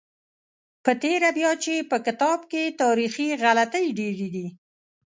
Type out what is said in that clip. په تېره بیا چې په کتاب کې تاریخي غلطۍ ډېرې دي.